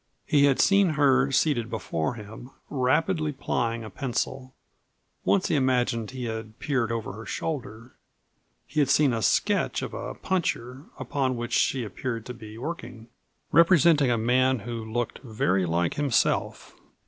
He had seen her seated before him, rapidly plying a pencil. Once he imagined he had peered over her shoulder. He had seen a sketch of a puncher, upon which she appeared to be working, representing a man who looked very like himself.